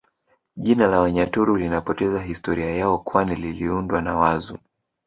Jina la Wanyaturu linapoteza historia yao kwani liliundwa na Wazu